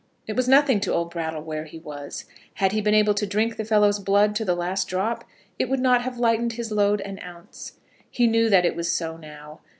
It was nothing to old Brattle where he was. Had he been able to drink the fellow's blood to the last drop, it would not have lightened his load an ounce. He knew that it was so now.